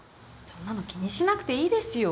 そんなの気にしなくていいですよ。